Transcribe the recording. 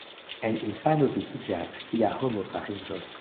En infano vidiĝas, kia homo fariĝos.